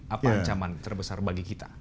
apa ancaman terbesar bagi kita